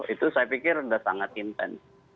itu saya pikir sudah sangat intens